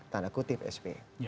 tanda kutip sp